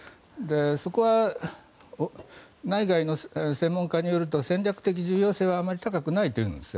そこは内外の専門家によると戦略的重要性はあまり高くないというんです。